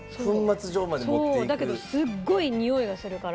そうだけどすっごいにおいがするから。